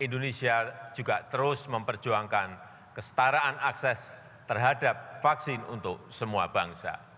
indonesia juga terus memperjuangkan kestaraan akses terhadap vaksin untuk semua bangsa